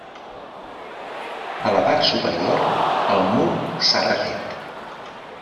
A la part superior el mur s'ha refet.